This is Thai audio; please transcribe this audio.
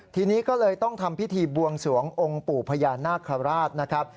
ทีนี้ก็เลยต้องทำพิธีบวงสวงองค์ปู่พญานาคาราชนะครับ